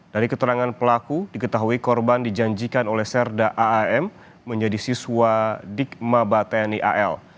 dari keterangan pelaku diketahui korban dijanjikan oleh serda aam menjadi siswa dik mabat tni al